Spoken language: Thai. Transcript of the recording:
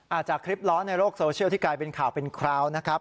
จากคลิปร้อนในโลกโซเชียลที่กลายเป็นข่าวเป็นคราวนะครับ